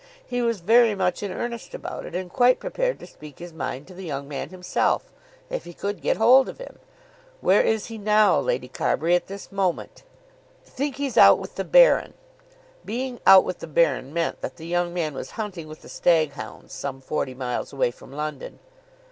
He was very much in earnest about it, and quite prepared to speak his mind to the young man himself, if he could get hold of him. "Where is he now, Lady Carbury; at this moment?" "I think he's out with the Baron." Being "out with the Baron" meant that the young man was hunting with the stag hounds some forty miles away from London.